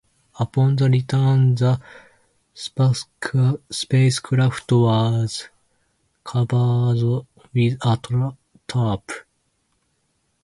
Upon the return, the spacecraft was covered with a tarp.